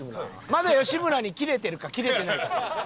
まだ吉村にキレてるかキレてないか。